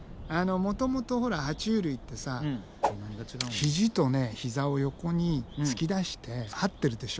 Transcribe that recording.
もともとほらは虫類ってさ肘と膝を横に突き出してはってるでしょ。